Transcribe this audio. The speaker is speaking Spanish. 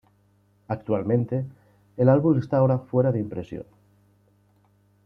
Actualmente, el álbum esta ahora fuera de impresión.